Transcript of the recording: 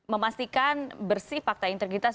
memastikan bersih fakta integritas